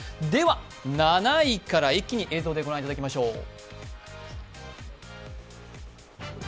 では７位から一気に映像で御覧いただきましょう。